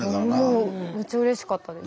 もうめっちゃうれしかったです。